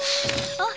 あっ。